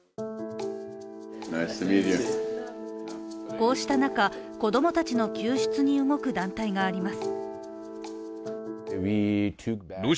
こうした中子供たちの救出に動く団体があります。